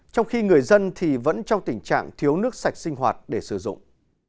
trong khi người dân thì vẫn trong tình trạng thiếu nước sạch sinh hoạt để sử dụng